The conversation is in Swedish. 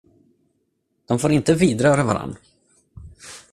De får inte vidröra varann.